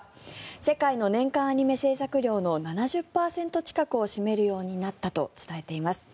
世界の年間アニメ制作量の７０％近くを占めるようになったと伝えています。